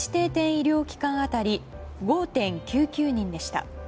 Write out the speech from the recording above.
医療機関当たり５．９９人でした。